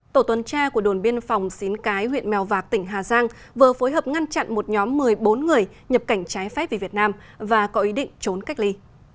tổ tuần tra của đồn biên phòng xín cái huyện mèo vạc tỉnh hà giang vừa phối hợp ngăn chặn một nhóm một mươi bốn người nhập cảnh trái phép về việt nam và có ý định trốn cách ly